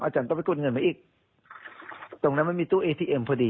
ต้องไปกดเงินมาอีกตรงนั้นมันมีตู้เอทีเอ็มพอดี